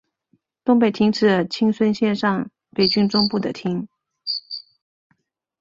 东北町是青森县上北郡中部的町。